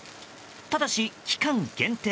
ただし、期間限定。